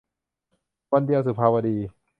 วันเดียว - สุภาวดี